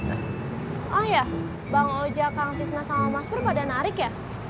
ah ya bang oja kang cisna sama mas pur pada narik ya